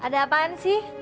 ada apaan sih